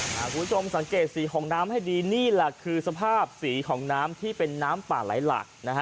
คุณผู้ชมสังเกตสีของน้ำให้ดีนี่แหละคือสภาพสีของน้ำที่เป็นน้ำป่าไหลหลักนะฮะ